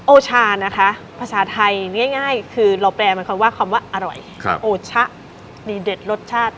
โอชานะคะภาษาไทยง่ายคือเราแปลหมายความว่าคำว่าอร่อยโอชะดีเด็ดรสชาติ